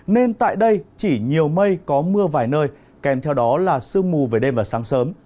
nên tại đây chỉ nhiều mây có mưa vài nơi kèm theo đó là sương mù về đêm và sáng sớm